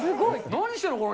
何してんの？